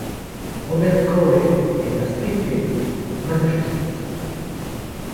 Robert Corey est né à Springfield, Massachusetts.